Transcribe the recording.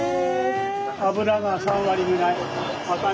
脂が３割ぐらい。